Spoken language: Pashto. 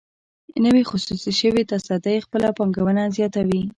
نوې خصوصي شوې تصدۍ خپله پانګونه زیاتوي.